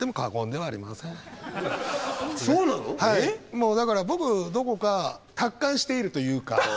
もうだから僕どこか達観しているというか。